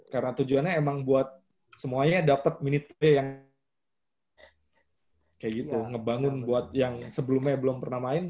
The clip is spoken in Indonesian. karena tujuannya emang buat semuanya dapet minute yang kayak gitu ngebangun buat yang sebelumnya belum pernah main